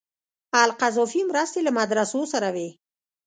القذافي مرستې له مدرسو سره وې.